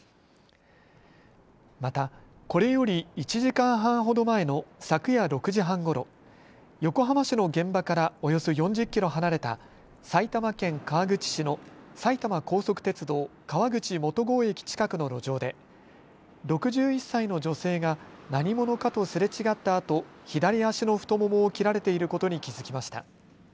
また、これより１時間半ほど前の昨夜６時半ごろ横浜市の現場からおよそ４０キロ離れた埼玉県川口市の埼玉高速鉄道、川口元郷駅近くの路上で６１歳の女性が何者かとすれ違ったあと左足の太ももを切られていることに気づきました。